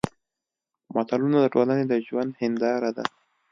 متلونه د ټولنې د ژوند هېنداره ده